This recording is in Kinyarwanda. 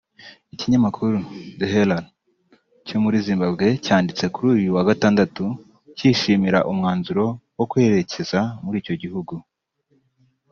Ikinyamakuru The Herald cyo muri Zimbabwe cyanditse kuri uyu wa Gatandatu cyishimira umwanzuro wo kwerekeza muri icyo gihugu